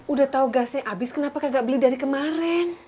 udah tau gasnya abis kenapa kagak beli dari kemarin